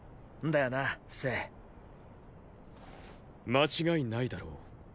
間違いないだろう。